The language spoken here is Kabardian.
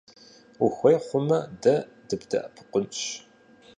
Ухуей хъумэ, дэ дыбдэӀэпыкъунщ.